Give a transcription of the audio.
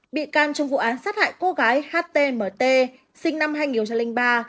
bị can trong vụ án sát hại cô gái htmt sinh năm hai nghìn ba